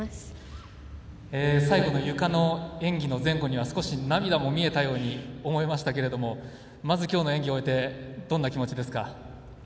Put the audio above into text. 最後のゆかの演技の前後には少し涙も見えたように思いましたけれどもまずきょうの演技を終えてどんな気持ちですか？